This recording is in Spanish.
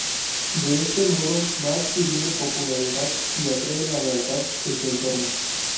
De este modo va adquiriendo popularidad y atrae la lealtad de su entorno.